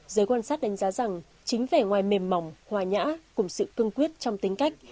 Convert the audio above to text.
giới quan sát đánh giá rằng chính vẻ ngoài mềm mỏng hòa nhã cùng sự cương quyết trong tính cách